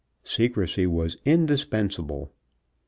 Secrecy was indispensable.